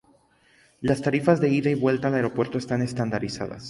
Las tarifas de ida y vuelta al aeropuerto están estandarizadas.